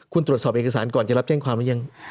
คุณตรวจสอบเอกสารก่อนจะรับแจ้งความหรือยัง